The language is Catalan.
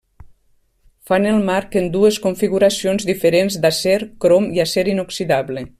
Fan el marc en dues configuracions diferents d'acer, crom i acer inoxidable.